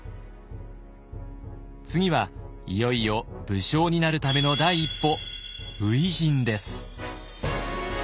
次はいよいよ武将になるための第一歩初陣です。